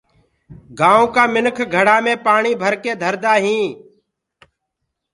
گآئونٚ ڪآ مِنک گھڙآ مي پآڻي ڀرڪي ڌردآ هينٚ